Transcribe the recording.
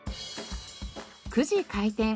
９時開店。